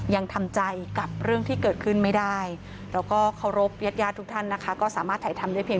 ยังทำใจเรื่องที่มันไม่ได้